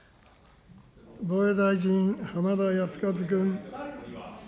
防衛大臣、浜田靖一君。